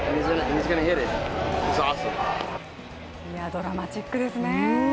ドラマチックですね